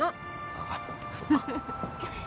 あっそっか。